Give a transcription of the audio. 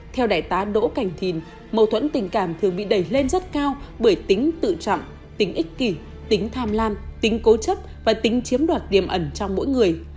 theo đại tá đỗ cảnh thìn mâu thuẫn tình cảm thường bị đẩy lên rất cao bởi tính tự trọng tính ích kỷ tính tham lam tính cố chấp và tính chiếm đoạt tiềm ẩn trong mỗi người